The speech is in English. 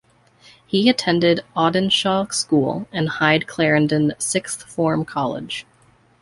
He attended Audenshaw School and Hyde Clarendon Sixth Form College.